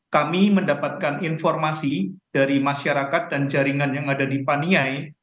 kami mendapatkan informasi dari masyarakat dan jaringan yang ada di paniai